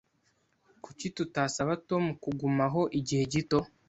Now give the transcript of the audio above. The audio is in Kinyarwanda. Kuki tutasaba Tom kugumaho igihe gito?